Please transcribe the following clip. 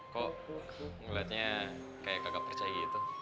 kok ngeliatnya kayak kakak percaya gitu